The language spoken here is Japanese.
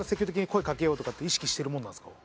意識してるもんなんすか？